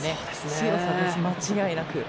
強さですね、間違いなく。